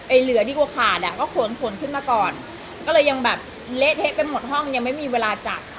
เหลือดีกว่าขาดอ่ะก็ขนขนขึ้นมาก่อนก็เลยยังแบบเละเทะไปหมดห้องยังไม่มีเวลาจับ